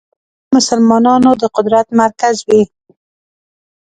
د ټولو مسلمانانو د قدرت مرکز وي.